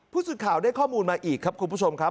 ผู้สื่อข่าวได้ข้อมูลมาอีกครับคุณผู้ชมครับ